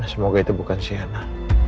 semoga itu bukan sienna